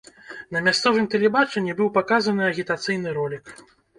На мясцовым тэлебачанні быў паказаны агітацыйны ролік.